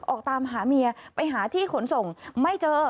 ออกตามหาเมียไปหาที่ขนส่งไม่เจอ